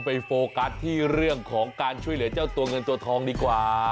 โฟกัสที่เรื่องของการช่วยเหลือเจ้าตัวเงินตัวทองดีกว่า